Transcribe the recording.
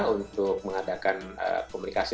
untuk mengadakan komunikasi